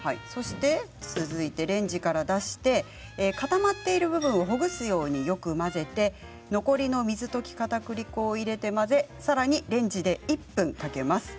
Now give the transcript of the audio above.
続いてレンジから出して固まっている部分をほぐすようによく混ぜて残りの水溶きかたくり粉を入れて混ぜさらにレンジで１分かけます。